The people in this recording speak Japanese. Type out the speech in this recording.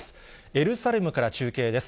エルサレムから中継です。